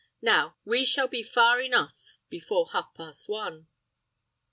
Now, we shall be far enough before half past one."